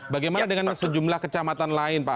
bagaimana dengan sejumlah kecamatan lain pak